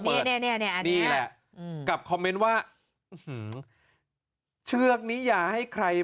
เปิดนี่นี่อันนี้อันนี้นี่แหละกับว่าเชือกนี้อย่าให้ใคร